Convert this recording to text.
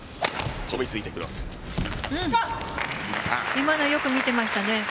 今のはよく見ていましたね。